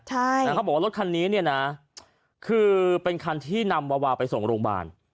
ใช่นะเขาบอกว่ารถคันนี้เนี่ยนะคือเป็นคันที่นำวาวาไปส่งโรงพยาบาล